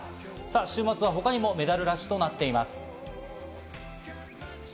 週末は他にもメダルラッシュとなっています。